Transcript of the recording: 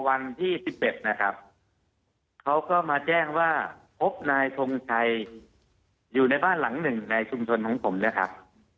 วันที่๑๑นะครับเขาก็มาแจ้งว่าพบนายทงชัยอยู่ในบ้านหลังหนึ่งในชุมชนของผมนะครับ